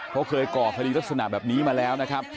เขาเคยก่อคดีลักษณะแบบนี้มาแล้วนะครับ